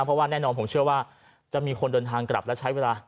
เพราะว่าแน่นอนผมเชื่อว่าจะมีคนเดินทางกลับและใช้เวลา